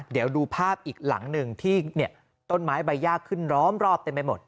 เดี๋ยวดูภาพอีกหลังหนึ่งที่ต้นไม้ใบยากขึ้นล้อมรอบเต็มไปหมด